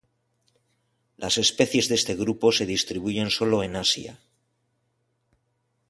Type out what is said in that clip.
Las especies de este grupo se distribuyen sólo en Asia.